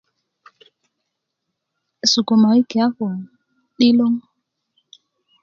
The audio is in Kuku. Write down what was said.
sukuma wiki a ko 'dilong